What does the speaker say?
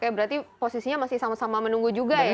oke berarti posisinya masih sama sama menunggu juga ya